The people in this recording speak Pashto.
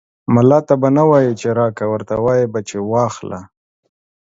ملا ته به نه وايي چې راکه ، ورته وايې به چې واخله.